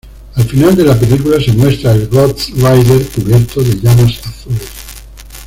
Al final de la película, se muestra al Ghost Rider cubierto de llamas azules.